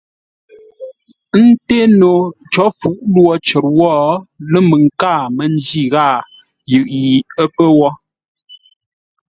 Ə́ ńté no có fuʼ lwo cər wó lə́ məŋ káa mə́ njí ghâa yʉʼ yi ə́ pə́ wó.